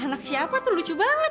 anak siapa tuh lucu banget